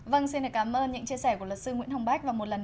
vâng xin cảm ơn những chia sẻ của luật sư nguyễn hồng bách